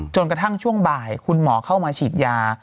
จนกระทั่งช่วงบ่ายคุณหมอเข้ามาฉีดยา